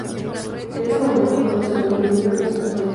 En ese momento lanzó su segundo libro, ""En el espejo de mi alma"".